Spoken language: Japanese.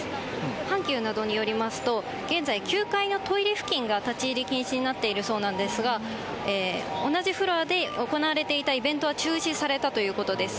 阪急などによりますと、現在、９階のトイレ付近が立ち入り禁止になっているそうなんですが、同じフロアで行われていたイベントは中止されたということです。